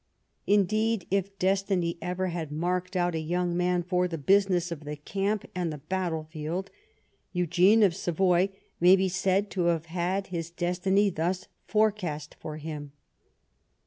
Indeed, if destiny ever had marked out a young man for the business of the camp and the battle field, Eugene of Savoy may be said to have had his destin\ thus forcast for him.